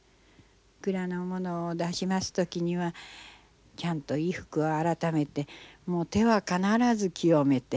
蔵のものを出します時にはちゃんと衣服を改めてもう手は必ず清めて。